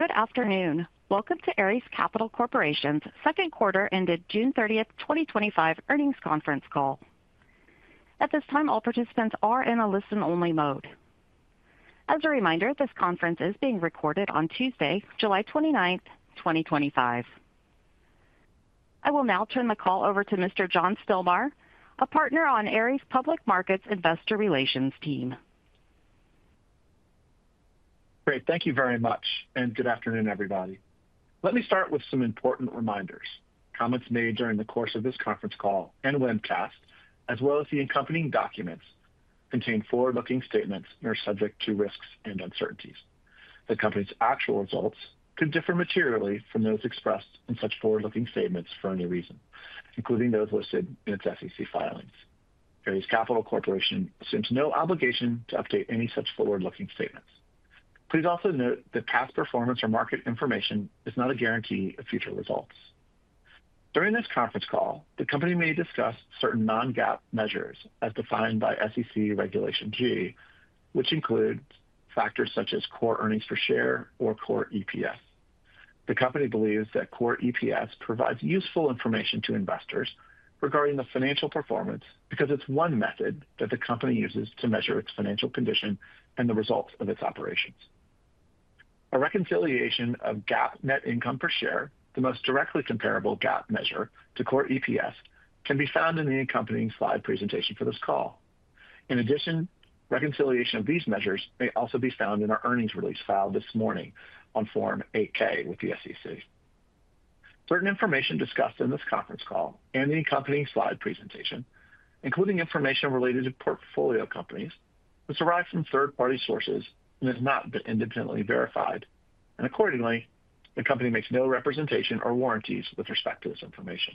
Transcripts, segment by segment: Good afternoon. Welcome to Ares Capital Corporation's second quarter ended June 30, 2025 earnings conference call. At this time, all participants are in a listen-only mode. As a reminder, this conference is being recorded on Tuesday, July 29, 2025. I will now turn the call over to Mr. John Stilmar, a partner on Ares Public Market-Investor Relations team. Great. Thank you very much, and good afternoon, everybody. Let me start with some important reminders: comments made during the course of this conference call and webcast, as well as the accompanying documents, contain forward-looking statements that are subject to risks and uncertainties. The company's actual results could differ materially from those expressed in such forward-looking statements for any reason, including those listed in its SEC filings. Ares Capital Corporation assumes no obligation to update any such forward-looking statements. Please also note that past performance or market information is not a guarantee of future results. During this conference call, the company may discuss certain non-GAAP measures as defined by SEC Regulation G, which includes factors such as core earnings per share or core EPS. The company believes that core EPS provides useful information to investors regarding the financial performance because it's one method that the company uses to measure its financial condition and the results of its operations. A reconciliation of GAAP net income per share, the most directly comparable GAAP measure to core EPS, can be found in the accompanying slide presentation for this call. In addition, reconciliation of these measures may also be found in our earnings release filed this morning on Form 8-K with the SEC. Certain information discussed in this conference call and the accompanying slide presentation, including information related to portfolio companies, was derived from third-party sources and has not been independently verified, and accordingly, the company makes no representation or warranties with respect to this information.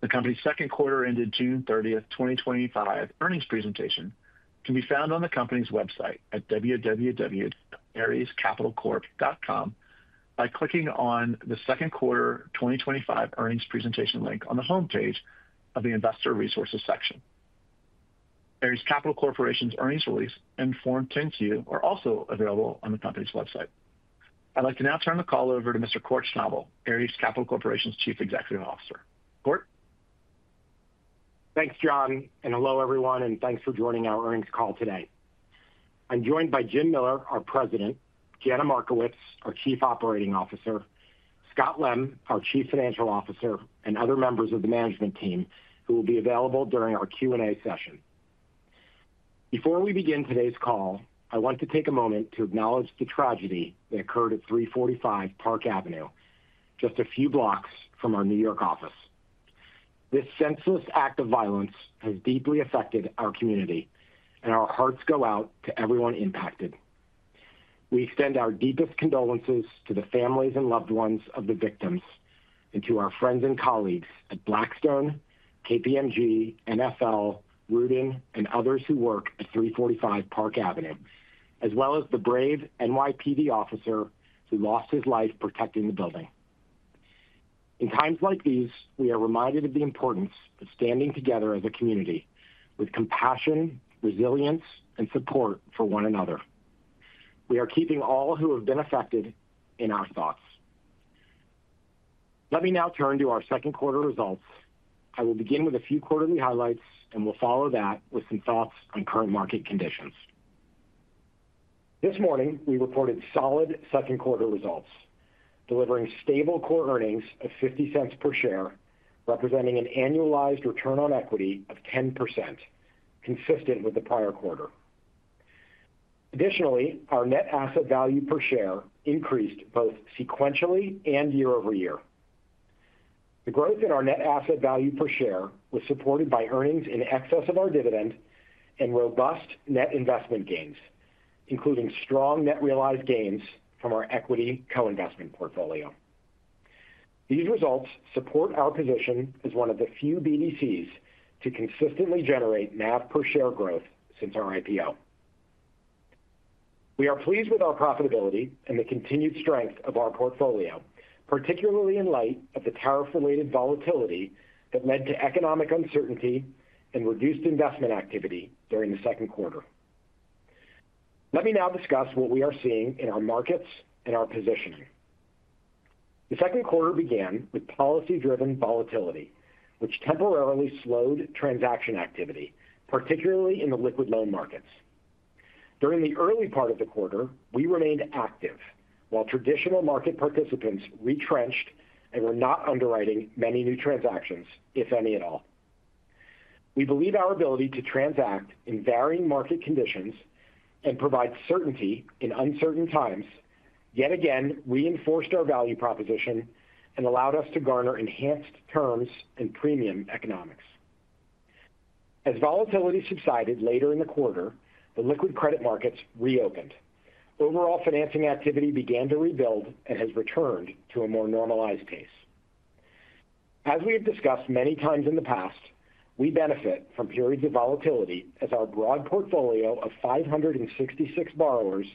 The company's second quarter ended June 30, 2025 earnings presentation can be found on the company's website at www.AresCapitalCorp.com by clicking on the second quarter 2025 earnings presentation link on the homepage of the Investor Resources section. Ares Capital Corporation's earnings release and Form 10-Q are also available on the company's website. I'd like to now turn the call over to Mr. Kort Schnabel, Ares Capital Corporation's Chief Executive Officer. Kort. Thanks, John. Hello, everyone, and thanks for joining our earnings call today. I'm joined by Jim Miller, our President; Jana Markowicz, our Chief Operating Officer; Scott Lem, our Chief Financial Officer; and other members of the management team who will be available during our Q&A session. Before we begin today's call, I want to take a moment to acknowledge the tragedy that occurred at 345 Park Avenue, just a few blocks from our New York office. This senseless act of violence has deeply affected our community, and our hearts go out to everyone impacted. We extend our deepest condolences to the families and loved ones of the victims and to our friends and colleagues at Blackstone, KPMG, NFL, Reuben, and others who work at 345 Park Avenue, as well as the brave NYPD officer who lost his life protecting the building. In times like these, we are reminded of the importance of standing together as a community with compassion, resilience, and support for one another. We are keeping all who have been affected in our thoughts. Let me now turn to our second quarter results. I will begin with a few quarterly highlights and will follow that with some thoughts on current market conditions. This morning, we reported solid second quarter results, delivering stable core earnings of $0.50 per share, representing an annualized return on equity of 10%, consistent with the prior quarter. Additionally, our net asset value per share increased both sequentially and year over year. The growth in our net asset value per share was supported by earnings in excess of our dividend and robust net investment gains, including strong net realized gains from our equity co-investment portfolio. These results support our position as one of the few BDCs to consistently generate NAV per share growth since our IPO. We are pleased with our profitability and the continued strength of our portfolio, particularly in light of the tariff-related volatility that led to economic uncertainty and reduced investment activity during the second quarter. Let me now discuss what we are seeing in our markets and our positioning. The second quarter began with policy-driven volatility, which temporarily slowed transaction activity, particularly in the liquid loan markets. During the early part of the quarter, we remained active while traditional market participants retrenched and were not underwriting many new transactions, if any at all. We believe our ability to transact in varying market conditions and provide certainty in uncertain times yet again reinforced our value proposition and allowed us to garner enhanced terms and premium economics. As volatility subsided later in the quarter, the liquid credit markets reopened. Overall financing activity began to rebuild and has returned to a more normalized pace. As we have discussed many times in the past, we benefit from periods of volatility as our broad portfolio of 566 borrowers,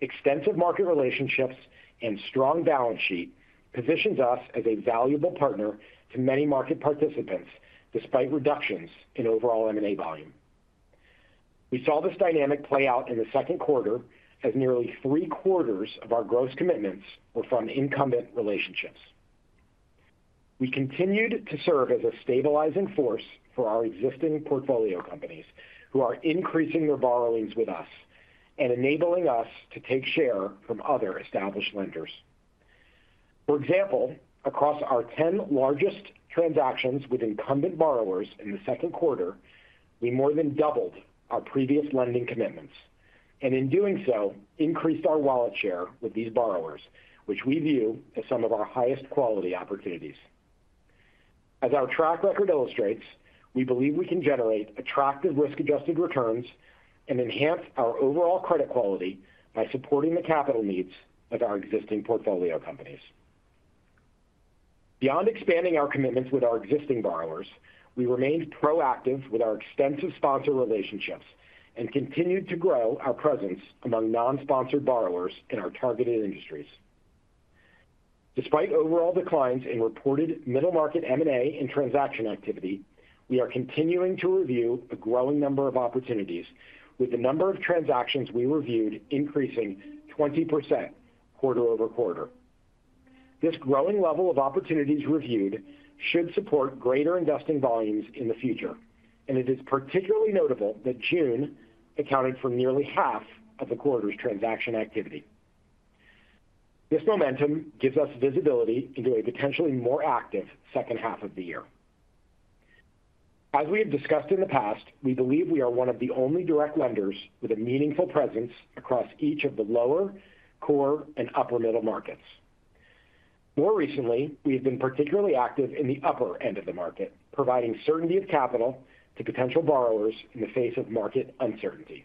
extensive market relationships, and strong balance sheet positions us as a valuable partner to many market participants despite reductions in overall M&A volume. We saw this dynamic play out in the second quarter as nearly three-quarters of our gross commitments were from incumbent relationships. We continued to serve as a stabilizing force for our existing portfolio companies who are increasing their borrowings with us and enabling us to take share from other established lenders. For example, across our ten largest transactions with incumbent borrowers in the second quarter, we more than doubled our previous lending commitments and, in doing so, increased our wallet share with these borrowers, which we view as some of our highest quality opportunities. As our track record illustrates, we believe we can generate attractive risk-adjusted returns and enhance our overall credit quality by supporting the capital needs of our existing portfolio companies. Beyond expanding our commitments with our existing borrowers, we remained proactive with our extensive sponsor relationships and continued to grow our presence among non-sponsored borrowers in our targeted industries. Despite overall declines in reported middle market M&A and transaction activity, we are continuing to review a growing number of opportunities, with the number of transactions we reviewed increasing 20% quarter over quarter. This growing level of opportunities reviewed should support greater investing volumes in the future, and it is particularly notable that June accounted for nearly half of the quarter's transaction activity. This momentum gives us visibility into a potentially more active second half of the year. As we have discussed in the past, we believe we are one of the only direct lenders with a meaningful presence across each of the lower, core, and upper-middle markets. More recently, we have been particularly active in the upper end of the market, providing certainty of capital to potential borrowers in the face of market uncertainty.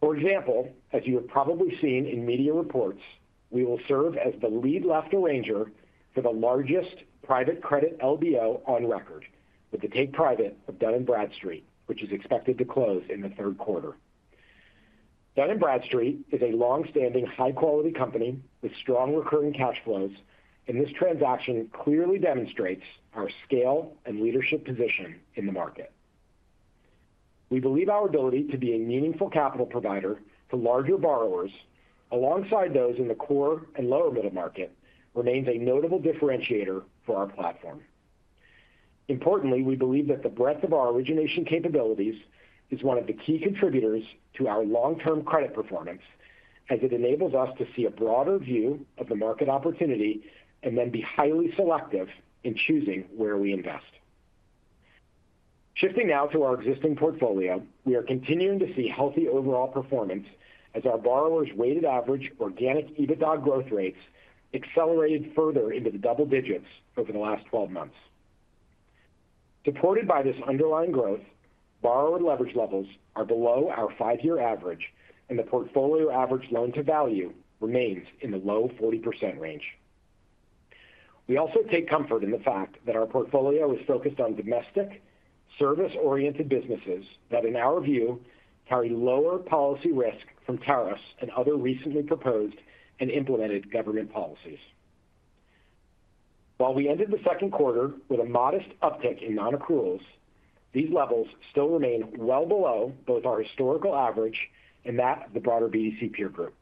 For example, as you have probably seen in media reports, we will serve as the lead left arranger for the largest private credit LBO on record, with the Take Private of Dun & Bradstreet, which is expected to close in the third-quarter. Dun & Bradstreet is a longstanding, high-quality company with strong recurring cash flows, and this transaction clearly demonstrates our scale and leadership position in the market. We believe our ability to be a meaningful capital provider to larger borrowers, alongside those in the core and lower-middle market, remains a notable differentiator for our platform. Importantly, we believe that the breadth of our origination capabilities is one of the key contributors to our long-term credit performance, as it enables us to see a broader view of the market opportunity and then be highly selective in choosing where we invest. Shifting now to our existing portfolio, we are continuing to see healthy overall performance as our borrowers' weighted average organic EBITDA growth rates accelerated further into the double digits over the last 12 months. Supported by this underlying growth, borrower leverage levels are below our five-year average, and the portfolio average loan-to-value remains in the low 40% range. We also take comfort in the fact that our portfolio is focused on domestic, service-oriented businesses that, in our view, carry lower policy risk from tariffs and other recently proposed and implemented government policies. While we ended the second quarter with a modest uptick in non-accruals, these levels still remain well below both our historical average and that of the broader BDC peer group.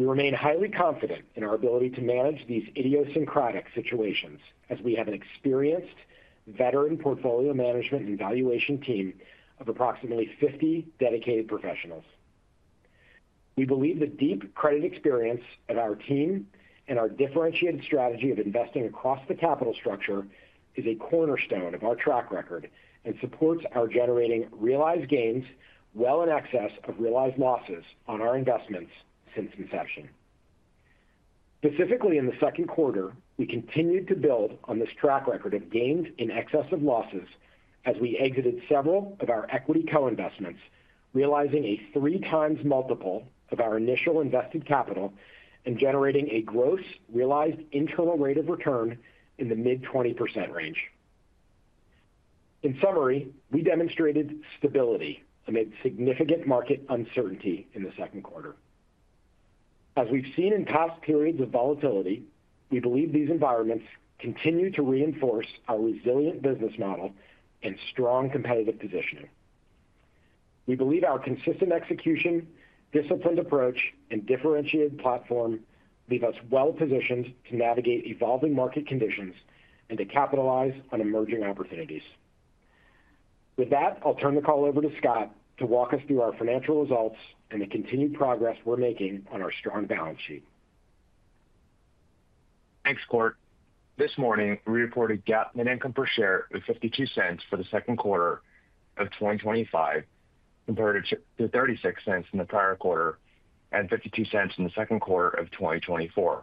We remain highly confident in our ability to manage these idiosyncratic situations as we have an experienced, veteran portfolio management and valuation team of approximately 50 dedicated professionals. We believe the deep credit experience of our team and our differentiated strategy of investing across the capital structure is a cornerstone of our track record and supports our generating realized gains well in excess of realized losses on our investments since inception. Specifically, in the second quarter, we continued to build on this track record of gains in excess of losses as we exited several of our equity co-investments, realizing a three-times multiple of our initial invested capital and generating a gross realized internal rate of return in the mid-20% range. In summary, we demonstrated stability amid significant market uncertainty in the second quarter. As we've seen in past periods of volatility, we believe these environments continue to reinforce our resilient business model and strong competitive positioning. We believe our consistent execution, disciplined approach, and differentiated platform leave us well positioned to navigate evolving market conditions and to capitalize on emerging opportunities. With that, I'll turn the call over to Scott to walk us through our financial results and the continued progress we're making on our strong balance sheet. Thanks, Kort. This morning, we reported GAAP net income per share of $0.52 for the second quarter of 2025 compared to $0.36 in the prior quarter and $0.52 in the second quarter of 2024.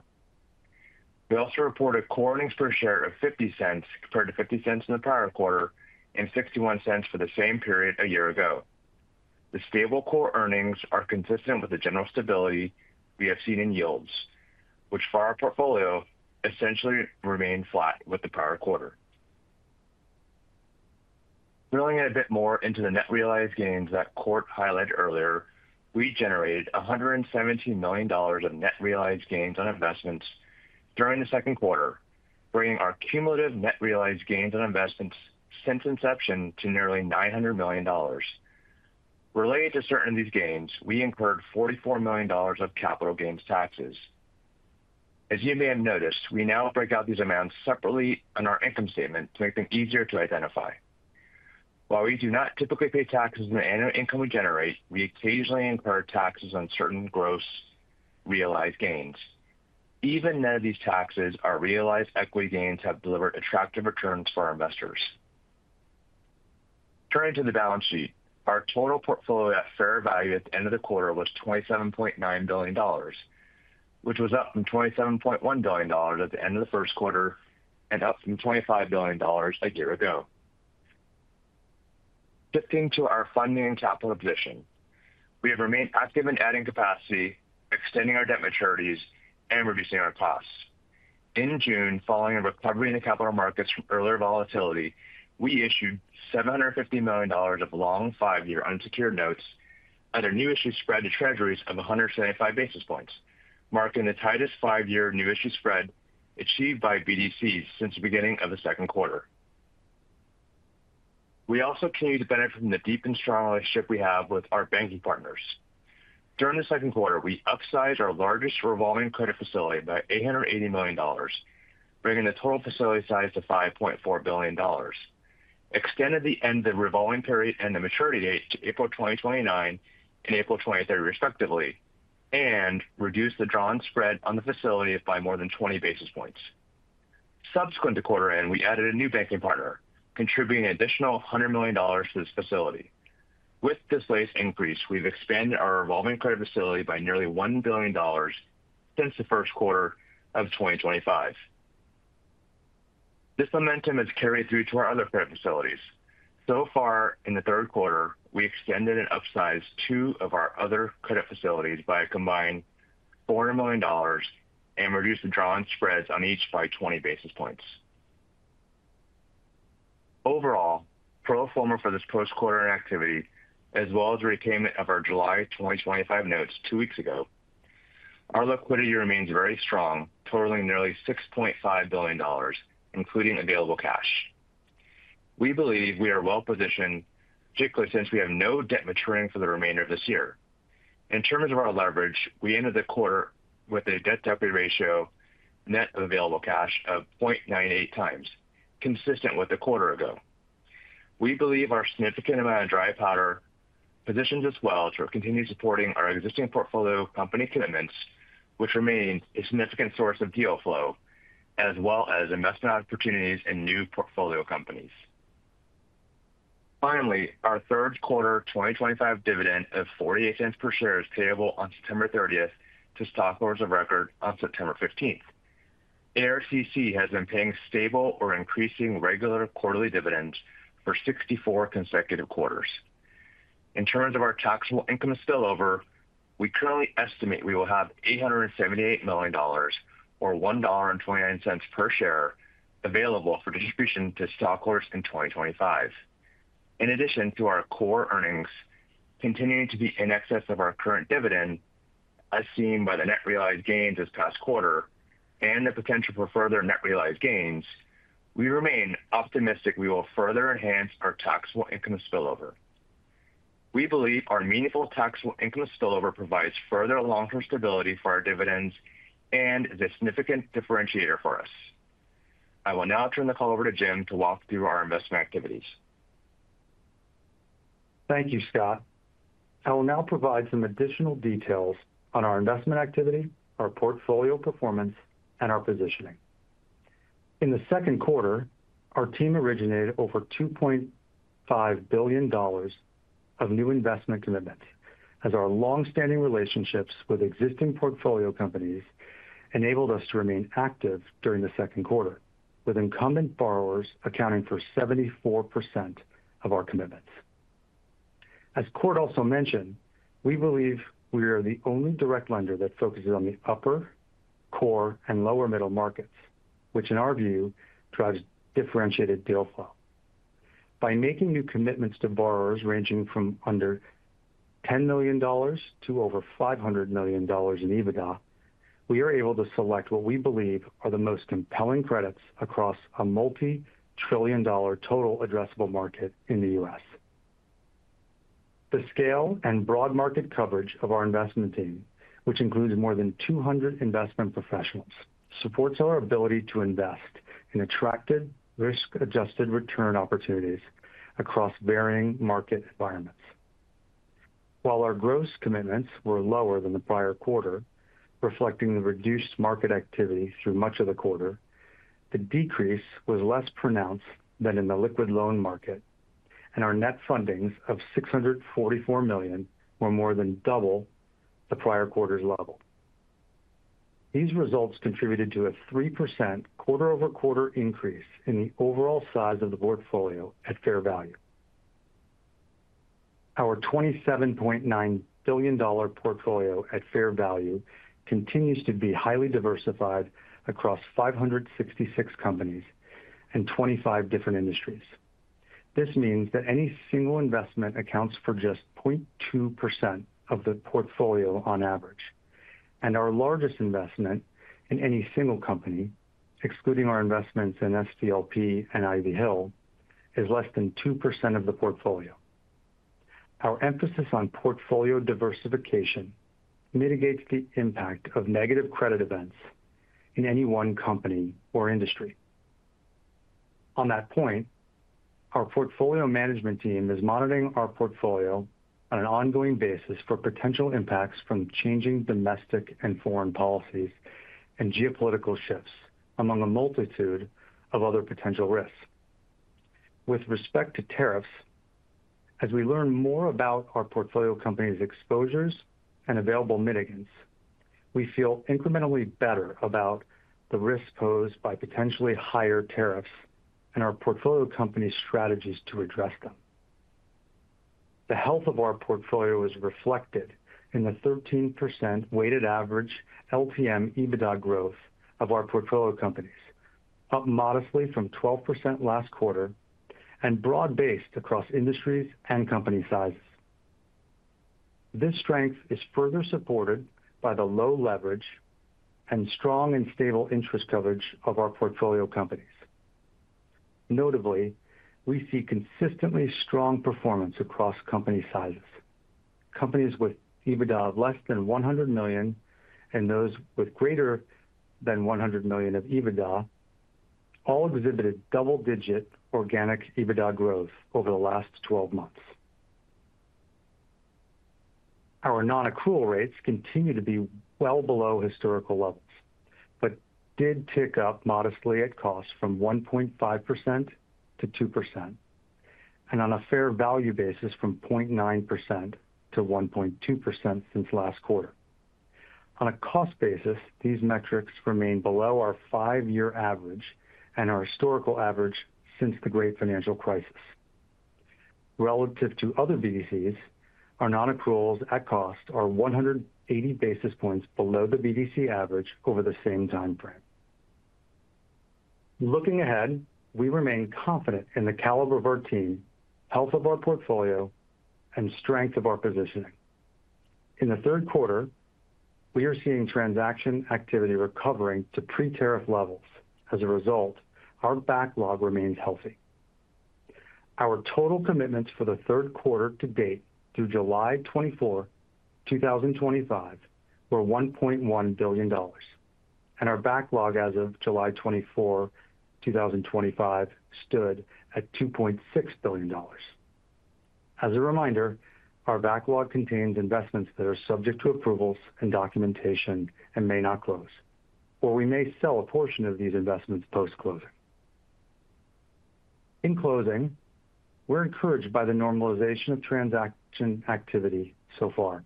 We also reported core earnings per share of $0.50 compared to $0.50 in the prior quarter and $0.61 for the same period a year ago. The stable core earnings are consistent with the general stability we have seen in yields, which for our portfolio essentially remained flat with the prior quarter. Drilling in a bit more into the net realized gains that Kort highlighted earlier, we generated $117 million of net realized gains on investments during the second quarter, bringing our cumulative net realized gains on investments since inception to nearly $900 million. Related to certain of these gains, we incurred $44 million of capital gains taxes. As you may have noticed, we now break out these amounts separately on our income statement to make them easier to identify. While we do not typically pay taxes on the annual income we generate, we occasionally incur taxes on certain gross realized gains. Even none of these taxes or realized equity gains have delivered attractive returns for our investors. Turning to the balance sheet, our total portfolio at fair value at the end of the quarter was $27.9 billion, which was up from $27.1 billion at the end of the first quarter and up from $25 billion a year ago. Shifting to our funding and capital position, we have remained active in adding capacity, extending our debt maturities, and reducing our costs. In June, following a recovery in the capital markets from earlier volatility, we issued $750 million of long five-year unsecured notes at a new issue spread to treasuries of 175 basis points, marking the tightest five-year new issue spread achieved by BDCs since the beginning of the second quarter. We also continue to benefit from the deep and strong relationship we have with our banking partners. During the second quarter, we upsized our largest revolving credit facility by $880 million, bringing the total facility size to $5.4 billion. Extended the end of the revolving period and the maturity date to April 2029 and April 2030, respectively, and reduced the drawn spread on the facility by more than 20 basis points. Subsequent to quarter end, we added a new banking partner, contributing an additional $100 million to this facility. With this latest increase, we've expanded our revolving credit facility by nearly $1 billion since the first quarter of 2025. This momentum has carried through to our other credit facilities. So far, in the third-quarter, we extended and upsized two of our other credit facilities by a combined $400 million and reduced the drawn spreads on each by 20 basis points. Overall, pro forma for this post-quarter activity, as well as the repayment of our July 2025 notes two weeks ago, our liquidity remains very strong, totaling nearly $6.5 billion, including available cash. We believe we are well positioned, particularly since we have no debt maturing for the remainder of this year. In terms of our leverage, we ended the quarter with a debt-to-equity ratio net of available cash of 0.98x, consistent with the quarter ago. We believe our significant amount of dry powder positions us well to continue supporting our existing portfolio company commitments, which remain a significant source of deal flow, as well as investment opportunities in new portfolio companies. Finally, our third-quarter 2025 dividend of $0.48 per share is payable on September 30th to stockholders of record on September 15th. ARCC has been paying stable or increasing regular quarterly dividends for 64 consecutive quarters. In terms of our taxable income spillover, we currently estimate we will have $878 million, or $1.29 per share, available for distribution to stockholders in 2025. In addition to our core earnings continuing to be in excess of our current dividend, as seen by the net realized gains this past quarter and the potential for further net realized gains, we remain optimistic we will further enhance our taxable income spillover. We believe our meaningful taxable income spillover provides further long-term stability for our dividends and is a significant differentiator for us. I will now turn the call over to Jim to walk through our investment activities. Thank you, Scott. I will now provide some additional details on our investment activity, our portfolio performance, and our positioning. In the second quarter, our team originated over $2.5 billion of new investment commitments, as our long-standing relationships with existing portfolio companies enabled us to remain active during the second quarter, with incumbent borrowers accounting for 74% of our commitments. As Kort also mentioned, we believe we are the only direct lender that focuses on the upper, core, and lower-middle markets, which, in our view, drives differentiated deal flow. By making new commitments to borrowers ranging from under $10 million to over $500 million in EBITDA, we are able to select what we believe are the most compelling credits across a multi-trillion-dollar total addressable market in the U.S. The scale and broad market coverage of our investment team, which includes more than 200 investment professionals, supports our ability to invest in attractive risk-adjusted return opportunities across varying market environments. While our gross commitments were lower than the prior quarter, reflecting the reduced market activity through much of the quarter, the decrease was less pronounced than in the liquid loan market, and our net fundings of $644 million were more than double the prior quarter's level. These results contributed to a 3% quarter-over-quarter increase in the overall size of the portfolio at fair value. Our $27.9 billion portfolio at fair value continues to be highly diversified across 566 companies and 25 different industries. This means that any single investment accounts for just 0.2% of the portfolio on average, and our largest investment in any single company, excluding our investments in STLP and Ivy Hill, is less than 2% of the portfolio. Our emphasis on portfolio diversification mitigates the impact of negative credit events in any one company or industry. On that point, our portfolio management team is monitoring our portfolio on an ongoing basis for potential impacts from changing domestic and foreign policies and geopolitical shifts among a multitude of other potential risks. With respect to tariffs, as we learn more about our portfolio companies' exposures and available mitigants, we feel incrementally better about the risks posed by potentially higher tariffs and our portfolio companies' strategies to address them. The health of our portfolio is reflected in the 13% weighted average LTM EBITDA growth of our portfolio companies, up modestly from 12% last quarter and broad-based across industries and company sizes. This strength is further supported by the low leverage and strong and stable interest coverage of our portfolio companies. Notably, we see consistently strong performance across company sizes. Companies with EBITDA of less than $100 million and those with greater than $100 million of EBITDA all exhibited double-digit organic EBITDA growth over the last 12 months. Our non-accrual rates continue to be well below historical levels but did tick up modestly at cost from 1.5% to 2%. On a fair value basis, from 0.9% to 1.2% since last quarter. On a cost basis, these metrics remain below our five-year average and our historical average since the Great Financial Crisis. Relative to other BDCs, our non-accruals at cost are 180 basis points below the BDC average over the same time frame. Looking ahead, we remain confident in the caliber of our team, health of our portfolio, and strength of our positioning. In the third quarter, we are seeing transaction activity recovering to pre-tariff levels. As a result, our backlog remains healthy. Our total commitments for the third-quarter to date through July 24, 2025, were $1.1 billion, and our backlog as of July 24, 2025, stood at $2.6 billion. As a reminder, our backlog contains investments that are subject to approvals and documentation and may not close, or we may sell a portion of these investments post-closing. In closing, we're encouraged by the normalization of transaction activity so far,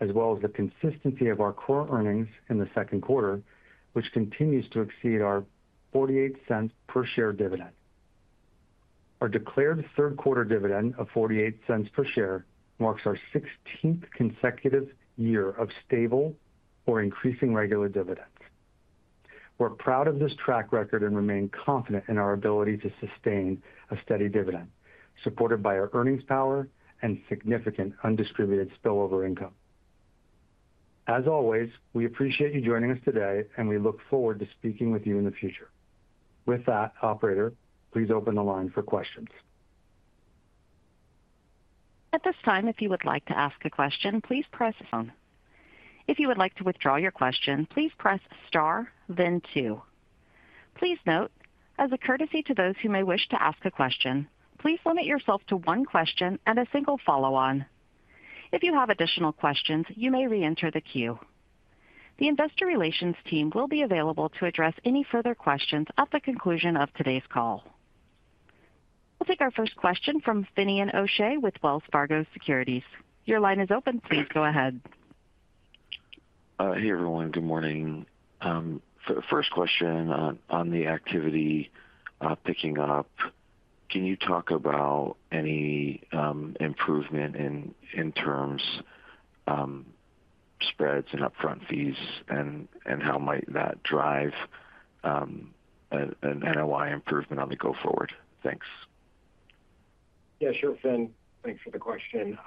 as well as the consistency of our core earnings in the second quarter, which continues to exceed our $0.48 per share dividend. Our declared third-quarter dividend of $0.48 per share marks our 16th consecutive year of stable or increasing regular dividends. We're proud of this track record and remain confident in our ability to sustain a steady dividend, supported by our earnings power and significant undistributed spillover income. As always, we appreciate you joining us today, and we look forward to speaking with you in the future. With that, Operator, please open the line for questions. At this time, if you would like to ask a question, please press. If you would like to withdraw your question, please press *, then 2. Please note, as a courtesy to those who may wish to ask a question, please limit yourself to one question and a single follow-on. If you have additional questions, you may re-enter the queue. The investor relations team will be available to address any further questions at the conclusion of today's call. We'll take our first question from Finian O'Shea with Wells Fargo Securities. Your line is open. Please go ahead. Hey, everyone. Good morning. First question on the activity picking up, can you talk about any improvement in terms of spreads and upfront fees and how might that drive an NOI improvement on the go-forward? Thanks. Yeah, sure, Finian. Thanks for the question.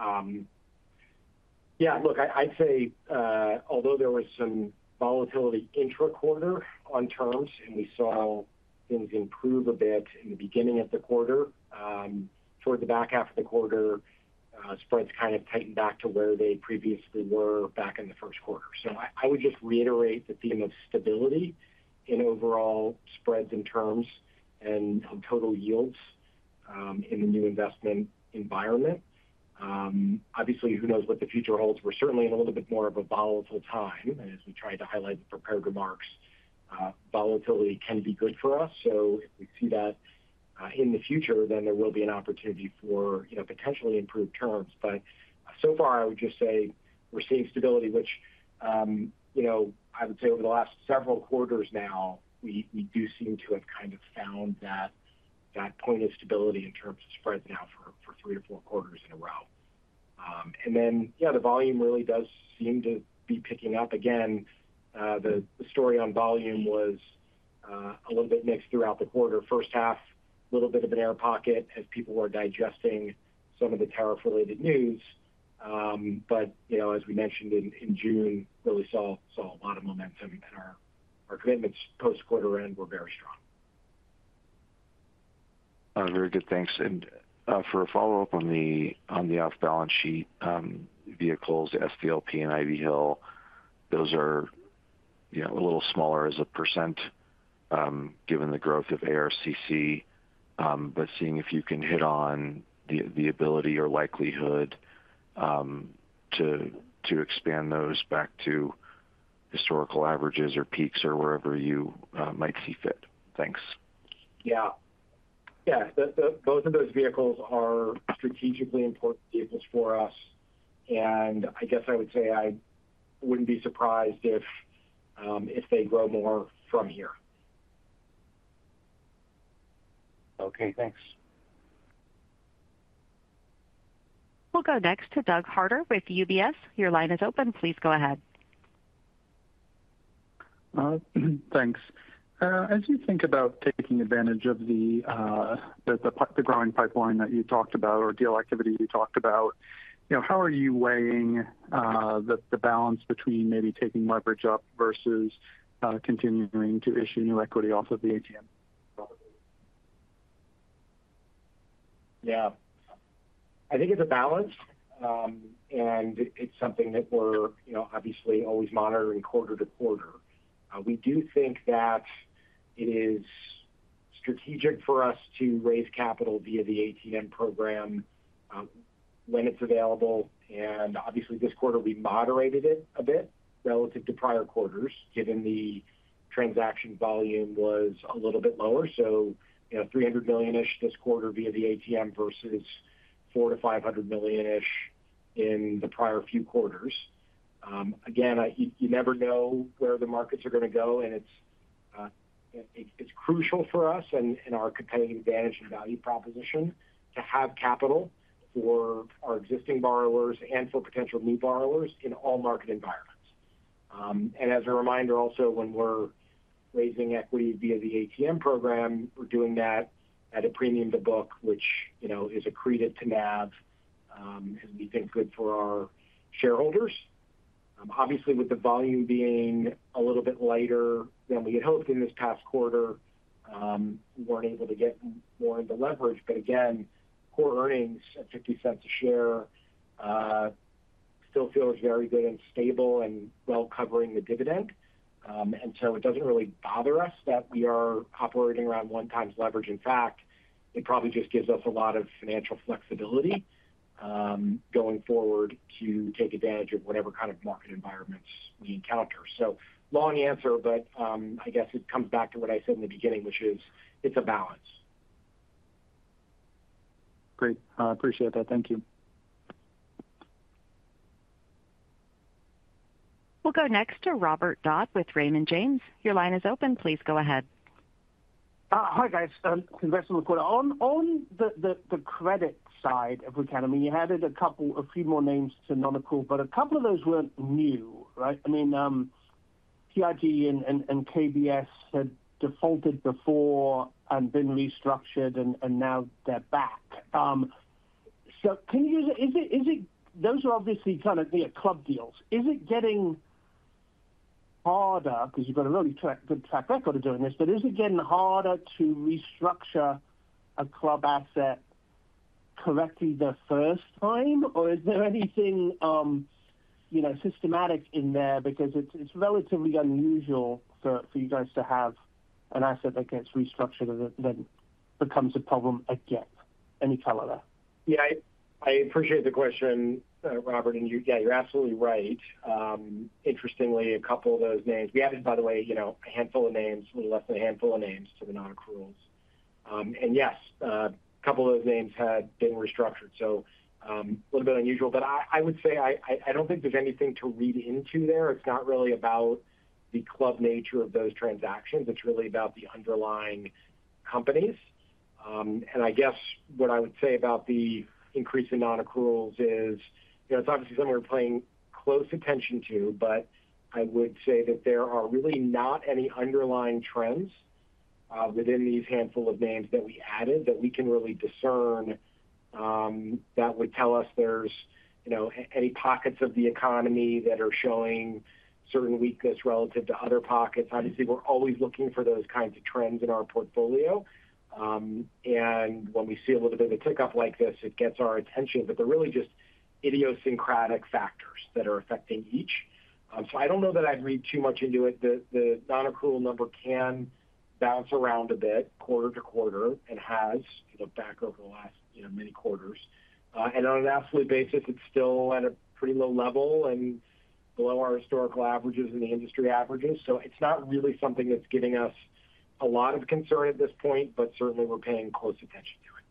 Yeah, look, I'd say although there was some volatility intra-quarter on terms and we saw things improve a bit in the beginning of the quarter, toward the back half of the quarter, spreads kind of tightened back to where they previously were back in the first quarter. I would just reiterate the theme of stability in overall spreads and terms and total yields in the new investment environment. Obviously, who knows what the future holds? We're certainly in a little bit more of a volatile time, and as we tried to highlight in prepared remarks, volatility can be good for us. If we see that in the future, then there will be an opportunity for potentially improved terms. But so far, I would just say we're seeing stability, which I would say over the last several quarters now, we do seem to have kind of found that point of stability in terms of spreads now for three to four quarters in a row. The volume really does seem to be picking up. Again, the story on volume was a little bit mixed throughout the quarter. First half, a little bit of an air pocket as people were digesting some of the tariff-related news. As we mentioned in June, really saw a lot of momentum and our commitments post-quarter end were very strong. Very good. Thanks. For a follow-up on the off-balance-sheet vehicles, STLP and Ivy Hill, those are a little smaller as a percent given the growth of ARCC. Seeing if you can hit on the ability or likelihood to expand those back to historical averages or peaks or wherever you might see fit. Thanks. Yeah. Yeah. Both of those vehicles are strategically important vehicles for us. I guess I would say I wouldn't be surprised if they grow more from here. Okay. Thanks. We'll go next to Douglas Harter with UBS. Your line is open. Please go ahead. Thanks. As you think about taking advantage of the growing pipeline that you talked about or deal activity you talked about, how are you weighing the balance between maybe taking leverage up versus continuing to issue new equity off of the ATM? Yeah. I think it's a balance. And it's something that we're obviously always monitoring quarter to quarter. We do think that. It is. Strategic for us to raise capital via the ATM program. When it's available. And obviously, this quarter, we moderated it a bit relative to prior quarters, given the transaction volume was a little bit lower. So $300 million-ish this quarter via the ATM versus $400 million-$500 million-ish in the prior few quarters. Again, you never know where the markets are going to go. And it's crucial for us and our competitive advantage and value proposition to have capital for our existing borrowers and for potential new borrowers in all market environments. And as a reminder, also, when we're raising equity via the ATM program, we're doing that at a premium to book, which is accretive to NAV. As we think good for our shareholders. Obviously, with the volume being a little bit lighter than we had hoped in this past quarter. We weren't able to get more into leverage. But again, core earnings at $0.50 per share. Still feels very good and stable and well covering the dividend. And so it doesn't really bother us that we are operating around one-time leverage. In fact, it probably just gives us a lot of financial flexibility. Going forward to take advantage of whatever kind of market environments we encounter. So long answer, but I guess it comes back to what I said in the beginning, which is it's a balance. Great. Appreciate that. Thank you. We'll go next to Robert Dodd with Raymond James. Your line is open. Please go ahead. Hi, guys. Congrats on the quarter. On the credit side, if we can, I mean, you added a few more names to non-accrual, but a couple of those weren't new, right? I mean, PIG and KBS had defaulted before and been restructured, and now they're back. Can you use it? Those are obviously kind of club deals. Is it getting harder because you've got a really good track record of doing this, but is it getting harder to restructure a club asset correctly the first time, or is there anything systematic in there? Because it's relatively unusual for you guys to have an asset that gets restructured and then becomes a problem again. Any color there? Yeah. I appreciate the question, Robert. Yeah, you're absolutely right. Interestingly, a couple of those names we added, by the way, a handful of names, a little less than a handful of names to the non-accruals. Yes, a couple of those names had been restructured. A little bit unusual. I would say I don't think there's anything to read into there. It's not really about the club nature of those transactions. It's really about the underlying companies. I guess what I would say about the increase in non-accruals is it's obviously something we're paying close attention to, but I would say that there are really not any underlying trends within these handful of names that we added that we can really discern that would tell us there's any pockets of the economy that are showing certain weakness relative to other pockets. Obviously, we're always looking for those kinds of trends in our portfolio. When we see a little bit of a tick up like this, it gets our attention. They're really just idiosyncratic factors that are affecting each. I don't know that I'd read too much into it. The non-accrual number can bounce around a bit quarter to quarter and has looked back over the last many quarters. On an absolute basis, it's still at a pretty low level and below our historical averages and the industry averages. It's not really something that's giving us a lot of concern at this point, but certainly we're paying close attention to it.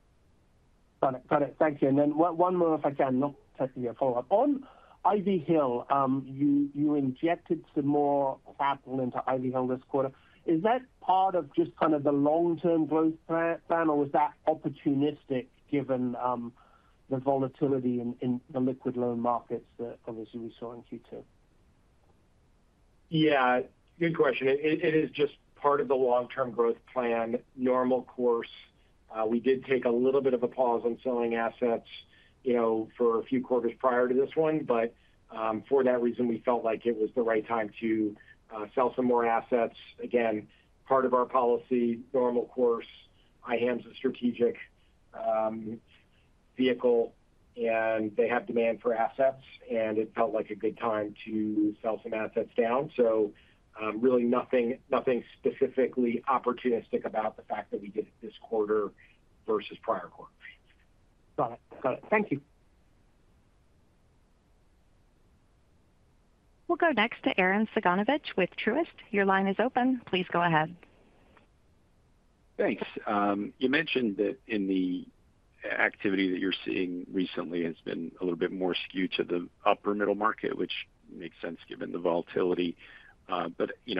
Got it. Got it. Thank you. One more, if I can, not to your follow-up. On Ivy Hill. You injected some more capital into Ivy Hill this quarter. Is that part of just kind of the long-term growth plan, or was that opportunistic given the volatility in the liquid loan markets that obviously we saw in Q2? Yeah. Good question. It is just part of the long-term growth plan, normal course. We did take a little bit of a pause on selling assets for a few quarters prior to this one, but for that reason, we felt like it was the right time to sell some more assets. Again, part of our policy, normal course, IHAM's a strategic vehicle, and they have demand for assets, and it felt like a good time to sell some assets down. Really nothing specifically opportunistic about the fact that we did it this quarter versus prior quarter. Got it. Got it. Thank you. We'll go next to Arren Cyganovich with Truist. Your line is open. Please go ahead. Thanks. You mentioned that the activity that you're seeing recently has been a little bit more skewed to the upper-middle-market, which makes sense given the volatility.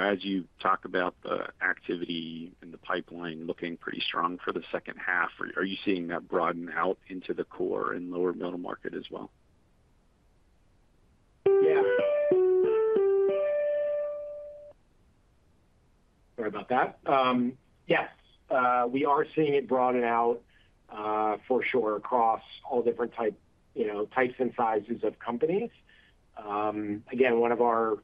As you talk about the activity and the pipeline looking pretty strong for the second half, are you seeing that broaden out into the core and lower middle market as well? Yeah. Sorry about that. Yes. We are seeing it broaden out. For sure across all different types and sizes of companies. Again, one of our,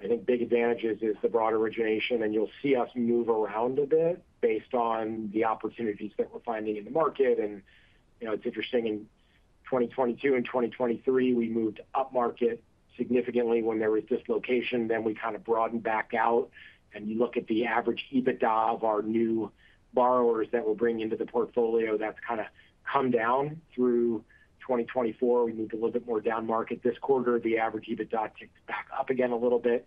I think, big advantages is the broad origination, and you'll see us move around a bit based on the opportunities that we're finding in the market. It's interesting. In 2022 and 2023, we moved up market significantly when there was dislocation. We kind of broadened back out. You look at the average EBITDA of our new borrowers that we're bringing into the portfolio, that's kind of come down through 2024. We moved a little bit more down market this quarter. The average EBITDA ticked back up again a little bit.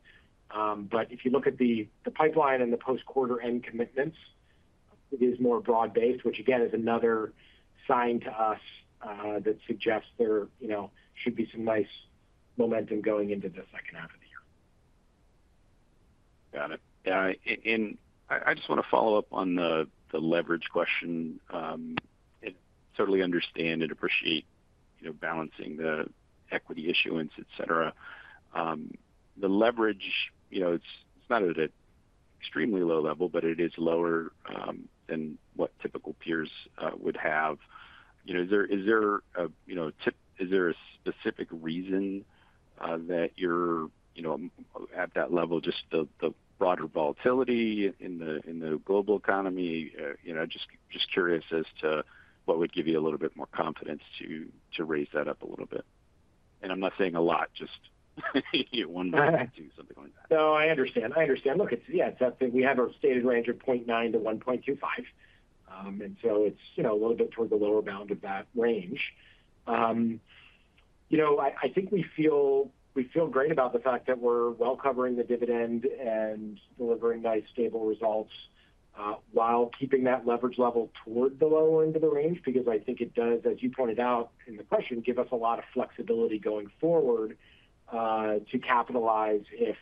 If you look at the pipeline and the post-quarter end commitments, it is more broad-based, which again is another sign to us that suggests there should be some nice momentum going into the second half of the year. Got it. Yeah. I just want to follow up on the leverage question. I totally understand and appreciate balancing the equity issuance, etc. The leverage. It's not at an extremely low level, but it is lower than what typical peers would have. Is there a specific reason that you're at that level, just the broader volatility in the global economy? Just curious as to what would give you a little bit more confidence to raise that up a little bit. I'm not saying a lot, just one moment to something like that. No, I understand. I understand. Look, yeah, we have a stated range of 0.9x-1.25x. And so it's a little bit toward the lower bound of that range. I think we feel great about the fact that we're well covering the dividend and delivering nice stable results while keeping that leverage level toward the lower end of the range, because I think it does, as you pointed out in the question, give us a lot of flexibility going forward to capitalize if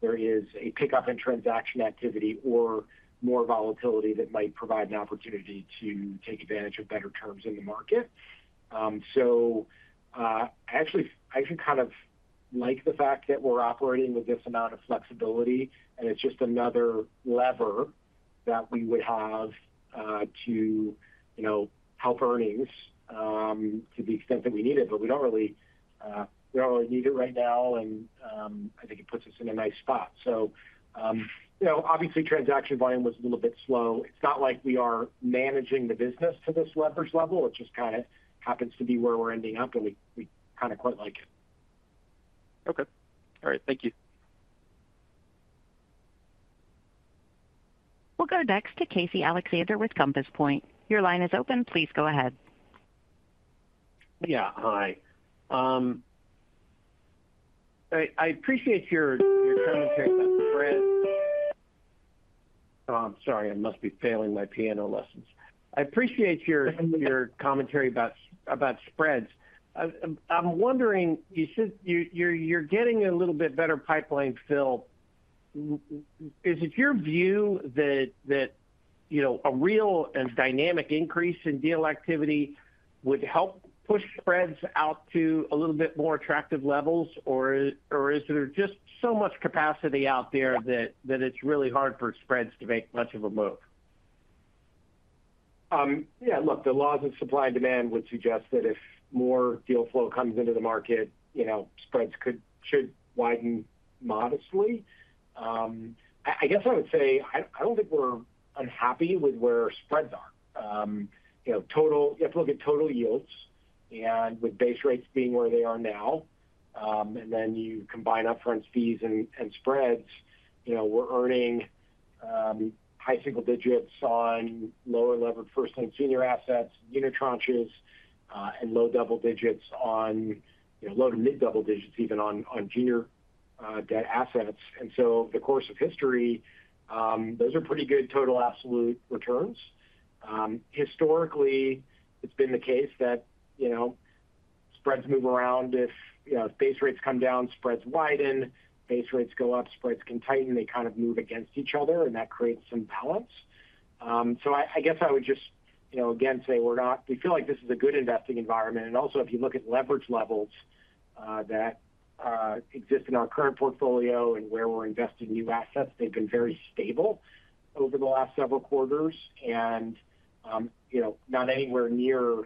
there is a pickup in transaction activity or more volatility that might provide an opportunity to take advantage of better terms in the market. I actually kind of like the fact that we're operating with this amount of flexibility, and it's just another lever that we would have to help earnings to the extent that we need it, but we don't really need it right now, and I think it puts us in a nice spot. Obviously, transaction volume was a little bit slow. It's not like we are managing the business to this leverage level. It just kind of happens to be where we're ending up, and we kind of quite like it. Okay. All right. Thank you. We'll go next to Casey Alexander with Compass Point. Your line is open. Please go ahead. Yeah. Hi. I appreciate your commentary about spreads. Oh, I'm sorry. I must be failing my piano lessons. I appreciate your commentary about spreads. I'm wondering, you're getting a little bit better pipeline, Phil. Is it your view that a real and dynamic increase in deal activity would help push spreads out to a little bit more attractive levels, or is there just so much capacity out there that it's really hard for spreads to make much of a move? Yeah. Look, the laws of supply and demand would suggest that if more deal flow comes into the market, spreads should widen modestly. I guess I would say I do not think we are unhappy with where spreads are. You have to look at total yields, and with base rates being where they are now, and then you combine upfront fees and spreads, we are earning high single digits on lower levered first-time senior assets, junior tranches, and low double digits on, low to mid double digits even on junior debt assets. In the course of history, those are pretty good total absolute returns. Historically, it has been the case that spreads move around. If base rates come down, spreads widen. Base rates go up, spreads can tighten. They kind of move against each other, and that creates some balance. I guess I would just, again, say we feel like this is a good investing environment. Also, if you look at leverage levels that exist in our current portfolio and where we are investing new assets, they have been very stable over the last several quarters and not anywhere near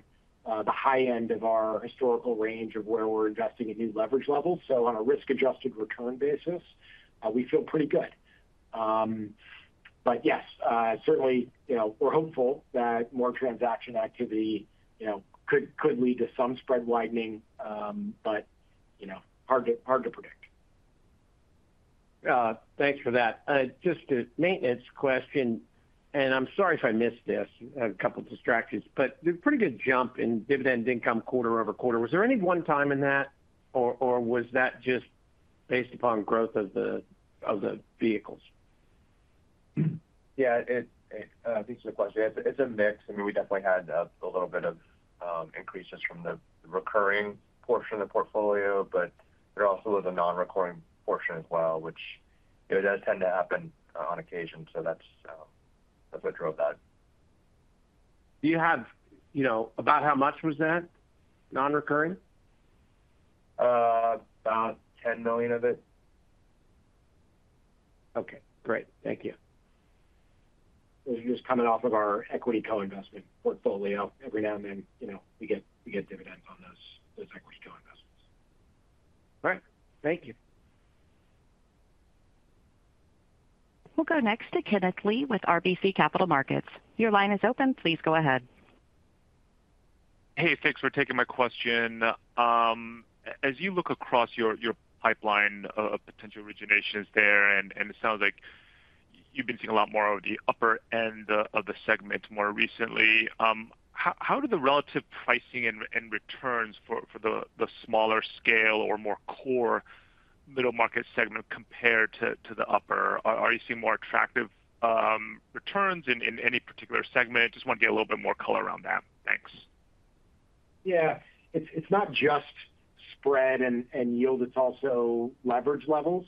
the high end of our historical range of where we are investing at new leverage levels. On a risk-adjusted return basis, we feel pretty good. Yes, certainly we are hopeful that more transaction activity could lead to some spread widening, but hard to predict. Thanks for that. Just a maintenance question, and I'm sorry if I missed this, a couple of distractions, but there's a pretty good jump in dividend income quarter over quarter. Was there any one time in that, or was that just based upon growth of the vehicles? Yeah. Thanks for the question. It's a mix. I mean, we definitely had a little bit of increases from the recurring portion of the portfolio, but there also was a non-recurring portion as well, which does tend to happen on occasion. That's what drove that. Do you have about how much was that non-recurring? About $10 million of it. Okay. Great. Thank you. We're just coming off of our equity co-investment portfolio. Every now and then, we get dividends on those equity co-investments. All right. Thank you. We'll go next to Kenneth Lee with RBC Capital Markets. Your line is open. Please go ahead. Hey, thanks for taking my question. As you look across your pipeline, potential originations there, and it sounds like you've been seeing a lot more of the upper end of the segment more recently. How do the relative pricing and returns for the smaller scale or more core middle market segment compare to the upper? Are you seeing more attractive returns in any particular segment? Just want to get a little bit more color around that. Thanks. Yeah. It's not just spread and yield, it's also leverage levels.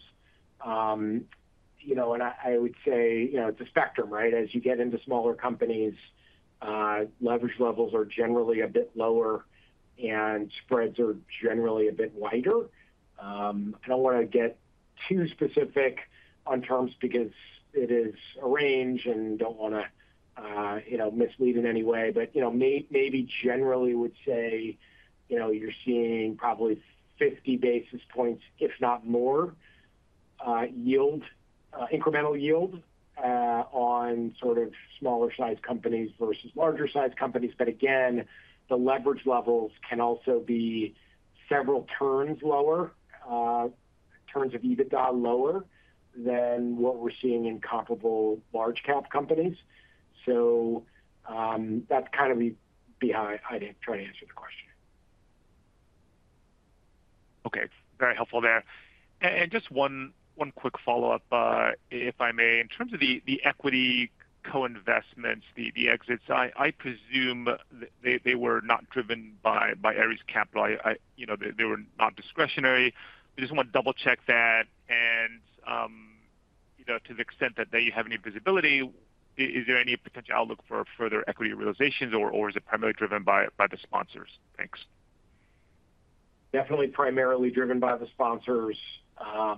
I would say it's a spectrum, right? As you get into smaller companies, leverage levels are generally a bit lower, and spreads are generally a bit wider. I don't want to get too specific on terms because it is a range and don't want to mislead in any way, but maybe generally would say you're seeing probably 50 basis points, if not more, incremental yield on sort of smaller-sized companies versus larger-sized companies. Again, the leverage levels can also be several turns lower, turns of EBITDA lower than what we're seeing in comparable large-cap companies. That's kind of behind. I didn't try to answer the question. Okay. Very helpful there. Just one quick follow-up, if I may. In terms of the equity co-investments, the exits, I presume they were not driven by Ares Capital. They were not discretionary. I just want to double-check that. To the extent that you have any visibility, is there any potential outlook for further equity realizations, or is it primarily driven by the sponsors? Thanks. Definitely primarily driven by the sponsors. Not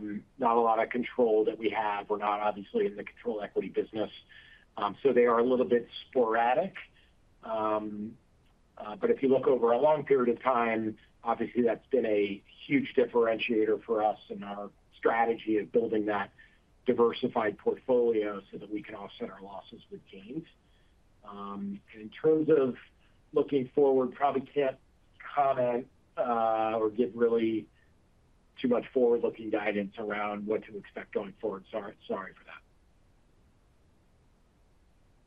a lot of control that we have. We're not obviously in the control equity business. They are a little bit sporadic. If you look over a long period of time, obviously, that's been a huge differentiator for us in our strategy of building that diversified portfolio so that we can offset our losses with gains. In terms of looking forward, probably can't comment or give really too much forward-looking guidance around what to expect going forward. Sorry for that.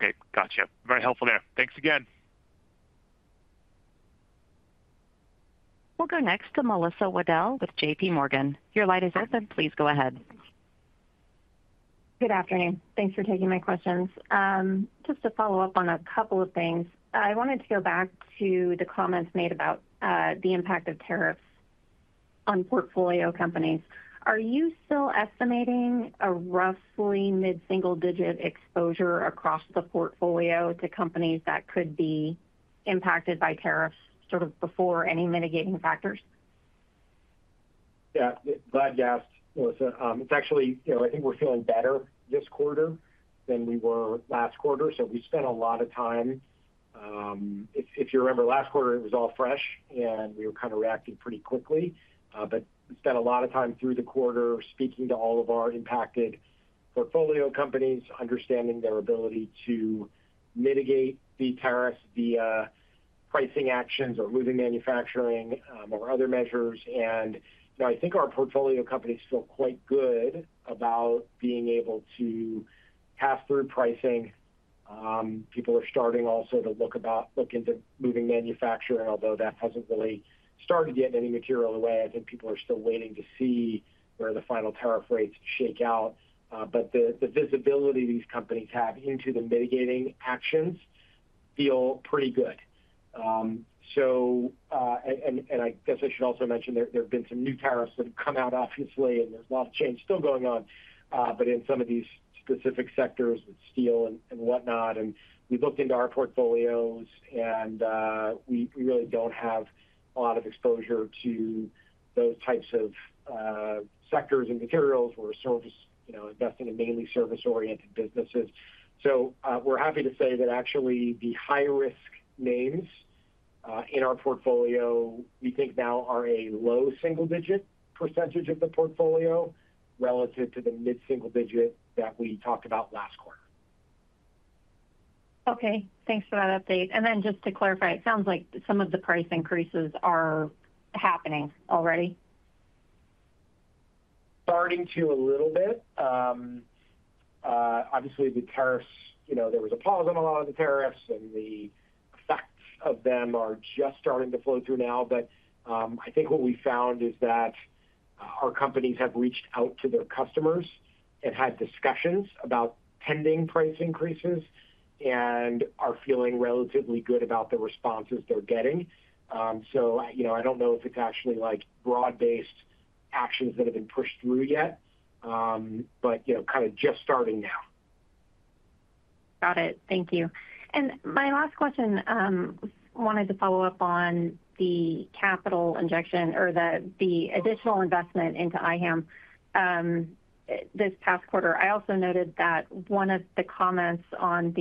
Okay. Gotcha. Very helpful there. Thanks again. We'll go next to Melissa Wedel with J.P. Morgan. Your line is open. Please go ahead. Good afternoon. Thanks for taking my questions. Just to follow up on a couple of things, I wanted to go back to the comments made about the impact of tariffs on portfolio companies. Are you still estimating a roughly mid-single-digit exposure across the portfolio to companies that could be impacted by tariffs sort of before any mitigating factors? Yeah. Glad you asked, Melissa. It's actually, I think we're feeling better this quarter than we were last quarter. We spent a lot of time. If you remember, last quarter, it was all fresh, and we were kind of reacting pretty quickly. We spent a lot of time through the quarter speaking to all of our impacted portfolio companies, understanding their ability to mitigate the tariffs via pricing actions or moving manufacturing or other measures. I think our portfolio companies feel quite good about being able to pass through pricing. People are starting also to look into moving manufacturing, although that hasn't really started yet in any material way. I think people are still waiting to see where the final tariff rates shake out. The visibility these companies have into the mitigating actions feels pretty good. I should also mention there have been some new tariffs that have come out, obviously, and there's a lot of change still going on, but in some of these specific sectors with steel and whatnot. We looked into our portfolios, and we really do not have a lot of exposure to those types of sectors and materials where we're investing in mainly service-oriented businesses. We're happy to say that actually the high-risk names in our portfolio, we think now are a low single-digit percentage of the portfolio relative to the mid-single digit that we talked about last quarter. Okay. Thanks for that update. Just to clarify, it sounds like some of the price increases are happening already. Starting to a little bit. Obviously, the tariffs, there was a pause on a lot of the tariffs, and the effects of them are just starting to flow through now. I think what we found is that our companies have reached out to their customers and had discussions about pending price increases and are feeling relatively good about the responses they're getting. I do not know if it's actually broad-based actions that have been pushed through yet. Kind of just starting now. Got it. Thank you. My last question. Wanted to follow up on the capital injection or the additional investment into IHAM. This past quarter, I also noted that one of the comments in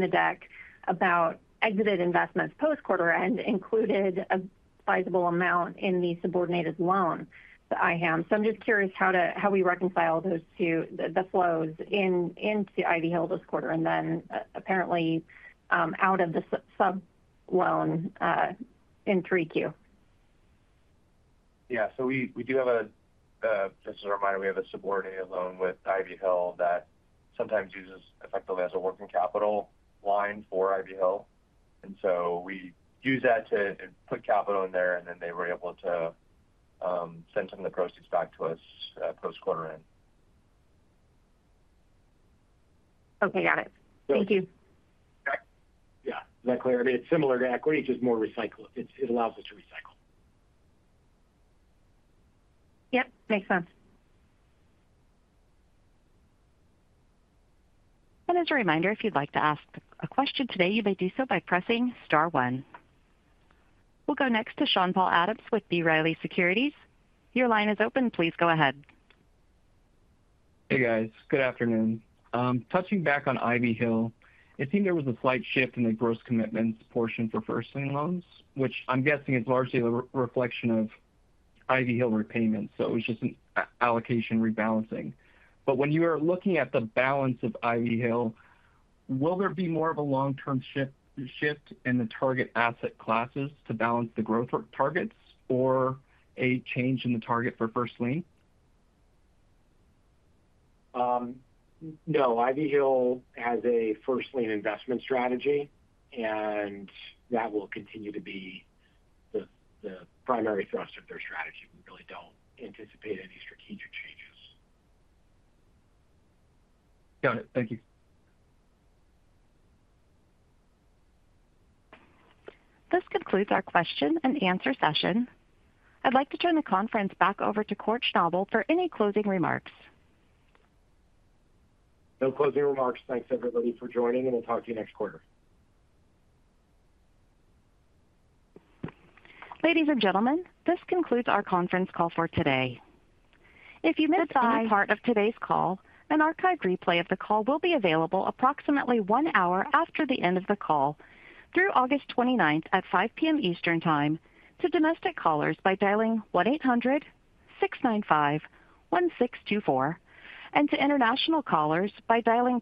the deck about exited investments post-quarter end included a sizable amount in the subordinated loan, the IHAM. I am just curious how we reconcile those two, the flows into Ivy Hill this quarter and then apparently out of the sub-loan in 3Q. Yeah. We do have a, just as a reminder, we have a subordinated loan with Ivy Hill that sometimes uses effectively as a working capital line for Ivy Hill. We use that to put capital in there, and then they were able to send some of the proceeds back to us post-quarter end. Okay. Got it. Thank you. Yeah. Is that clear? I mean, it's similar to equity, just more recycled. It allows us to recycle. Yep. Makes sense. As a reminder, if you'd like to ask a question today, you may do so by pressing *1. We'll go next to Sean-Paul Adams with B. Riley Securities. Your line is open. Please go ahead. Hey, guys. Good afternoon. Touching back on Ivy Hill, it seemed there was a slight shift in the gross commitments portion for first-time loans, which I'm guessing is largely a reflection of Ivy Hill repayments. It was just an allocation rebalancing. When you are looking at the balance of Ivy Hill, will there be more of a long-term shift in the target asset classes to balance the growth targets or a change in the target for first lien? No. Ivy Hill has a first lien investment strategy, and that will continue to be the primary thrust of their strategy. We really do not anticipate any strategic changes. Got it. Thank you. This concludes our question and the answer session. I'd like to turn the conference back over to Kort Schnabel for any closing remarks. No closing remarks. Thanks, everybody, for joining, and we'll talk to you next quarter. Ladies and gentlemen, this concludes our conference call for today. If you missed any part of today's call, an archived replay of the call will be available approximately one hour after the end of the call through August 29 at 5:00 P.M. Eastern Time to domestic callers by dialing 1-800-695-1624 and to international callers by dialing.